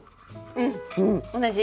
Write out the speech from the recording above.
うん同じ。